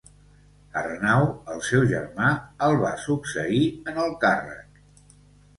Arnau, el seu germà, el va succeir en el càrrec.